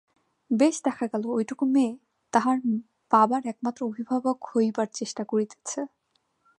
বেশ দেখা গেল ওইটুকু মেয়ে তাহার বাবার একমাত্র অভিভাবক হইবার চেষ্টা করিতেছে।